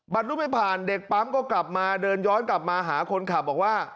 รุ่นไม่ผ่านเด็กปั๊มก็กลับมาเดินย้อนกลับมาหาคนขับบอกว่า